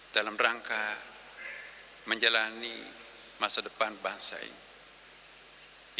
dalam rangka menjalani masa depan bangsa ini